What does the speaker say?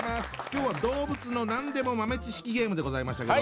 今日は動物の何でも豆知識ゲームでございましたけども。